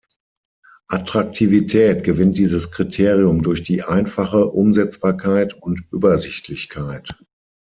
Attraktivität gewinnt dieses Kriterium durch die einfache Umsetzbarkeit und Übersichtlichkeit.